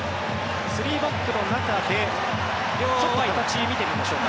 ３バックの中でちょっと形を見てみましょう。